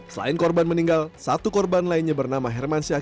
selain korban meninggal satu korban lainnya bernama hermansyah